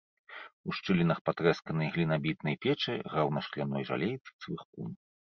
У шчылінах патрэсканай глінабітнай печы граў на шкляной жалейцы цвыркун.